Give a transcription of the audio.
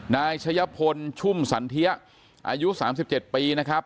นายชะยะพลชุ่มสันเทียอายุสามสิบเจ็ดปีนะครับ